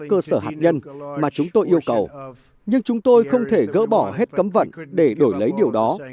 chúng tôi đã đưa ra một cơ sở hạt nhân mà chúng tôi yêu cầu nhưng chúng tôi không thể gỡ bỏ hết cấm vận để đổi lấy điều đó